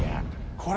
これ。